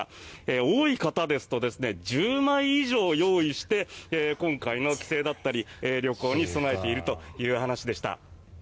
多い方ですと１０枚以上用意して今回の帰省だったり旅行に備えているという話でした。